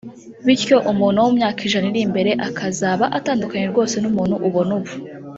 bityo umuntu wo mumyaka ijana iri imbere akazaba atandukanye rwose n’umuntu ubona ubu